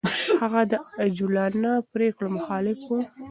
هغه د عجولانه پرېکړو مخالف و.